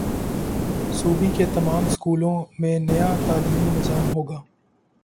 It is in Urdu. صوبے کے تمام سکولوں میں نیا تعلیمی نظام ہوگا